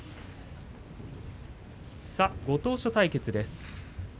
ご当所対決です。